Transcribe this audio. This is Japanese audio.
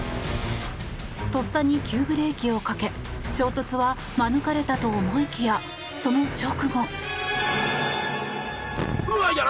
とっさに急ブレーキをかけ衝突は免れたと思いきやその直後。